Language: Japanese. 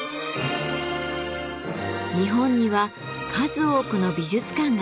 日本には数多くの美術館があります。